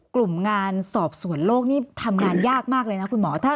กลุ่มงานสอบสวนโลกนี่ทำงานยากมากเลยนะคุณหมอ